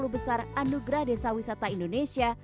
lima puluh besar anugerah desa wisata indonesia